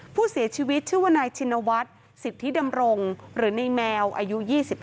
ผู้เสียชีวิตชื่อว่านายชินวัฒน์สิทธิดำรงหรือในแมวอายุ๒๕